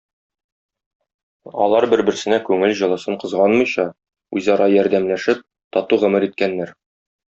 Алар бер-берсенә күңел җылысын кызганмыйча, үзара ярдәмләшеп, тату гомер иткәннәр.